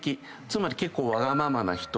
つまり結構わがままな人。